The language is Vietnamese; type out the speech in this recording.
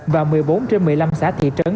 và một mươi bốn trên một mươi năm xã thị trấn